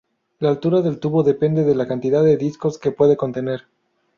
La altura del tubo depende de la cantidad de discos que puede contener.